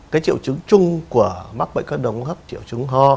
cái triệu chứng chung của mắc bệnh hô hấp là triệu chứng ho